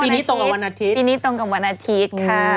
ปีนี้ตรงกับวันอาทิตย์